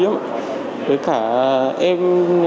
với cả em